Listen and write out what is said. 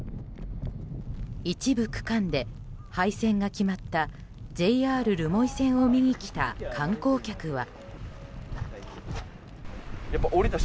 一部区間で廃線が決まったＪＲ留萌線を見に来た観光客は。